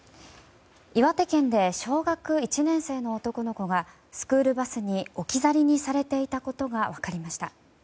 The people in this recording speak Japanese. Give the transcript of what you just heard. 岩手県で、小学１年生の男の子がスクールバスに置き去りにされていたことが分かりました。